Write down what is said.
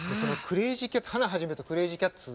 ハナ肇とクレイジーキャッツ